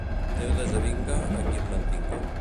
Déu desavinga a qui em mantinga.